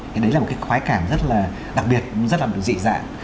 cái đấy là một cái khoái cảm rất là đặc biệt rất là dị dạng